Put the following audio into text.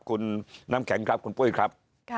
คุณน้ำแข็งครับคุณปุ้ยครับ